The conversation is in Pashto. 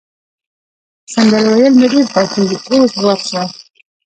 سندرې ویل مي ډېر خوښیږي، اوس غوږ شه.